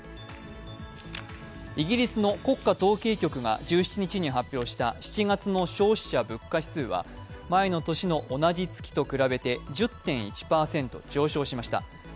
イギリスの国家統計局が１７日に発表した７月の消費者物価指数は前の年の同じ月と比べて１０．１％上昇しました。